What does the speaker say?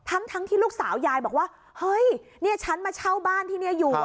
ทั้งที่ลูกสาวยายบอกว่าเฮ้ยเนี่ยฉันมาเช่าบ้านที่นี่อยู่